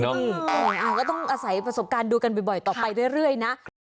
ถูกต้องก็ต้องอาศัยประสบการณ์ดูกันบ่อยต่อไปเรื่อยนะ